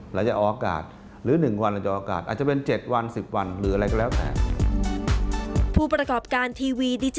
หลังจากออกกาศหรือ๑วันหลังจากออกกาศ